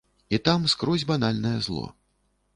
І там скрозь банальнае зло.